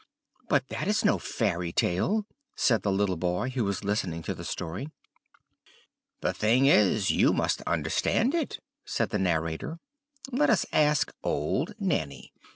"But that is no fairy tale," said the little boy, who was listening to the story. "The thing is, you must understand it," said the narrator; "let us ask old Nanny."